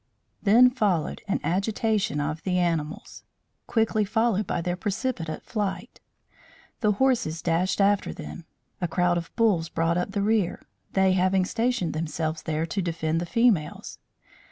Then followed an agitation of the animals, quickly followed by their precipitate flight. The horses dashed after them. A crowd of bulls brought up the rear, they having stationed themselves there to defend the females.